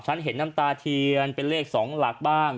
ฉันเห็นน้ำตาเทียนเป็นเลข๒หลักบ้าง